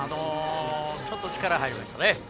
ちょっと力が入りましたね。